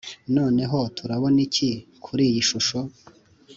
noneho turabona iki kuri iyi shusho?.